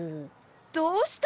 どうしたの？